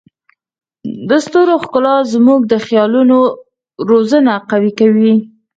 د ستورو ښکلا زموږ د خیالونو وزرونه قوي کوي.